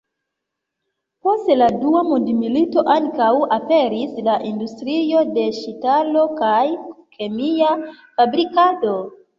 Post la dua mondmilito ankaŭ aperis la industrioj de ŝtalo kaj kemia fabrikado.